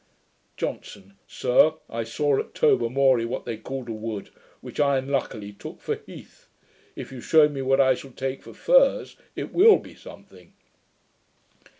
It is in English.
JOHNSON. 'Sir, I saw at Tobermorie. what they called a wood, which I unluckily took for HEATH. If you shew me what I shall take for FURZE, it will be something.'